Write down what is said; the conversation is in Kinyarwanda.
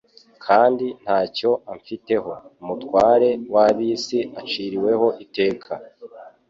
kandi ntacyo amfiteho. Umutware w'ab'isi aciriweho iteka.»